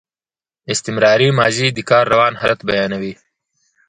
استمراري ماضي د کار روان حالت بیانوي.